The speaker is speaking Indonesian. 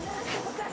oh ini bagus